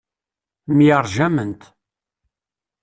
Myerjament.